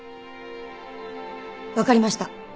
わかりました。